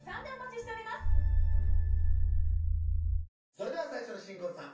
それでは最初の新婚さん